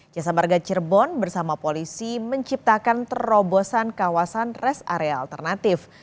jasa marga cirebon bersama polisi menciptakan terobosan kawasan rest area alternatif